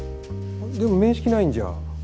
でも面識ないんじゃ？